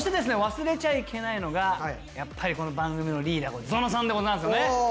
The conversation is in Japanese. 忘れちゃいけないのがやっぱりこの番組のリーダーゾノさんでございますよね。